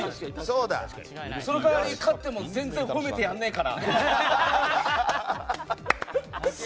その代わり、勝っても全然褒めてやらねえから！